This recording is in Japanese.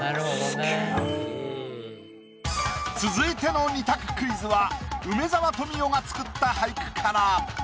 続いての２択クイズは梅沢富美男が作った俳句から。